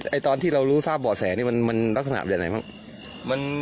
ตอนที่เรารู้ทราบบ่อแสนี่มันลักษณะแบบไหนบ้าง